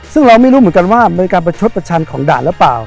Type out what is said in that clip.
ซึ่งเราไม่รู้เหมือนกันว่าเป็นการประชดประชันของด่านหรือเปล่า